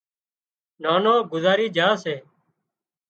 نانوگذارِي جھا سي